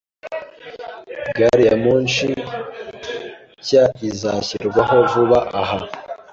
Gari ya moshi nshya izashyirwaho vuba aha.